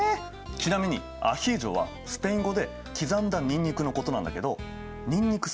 ちなみに「アヒージョ」はスペイン語で「刻んだにんにく」のことなんだけどにんにく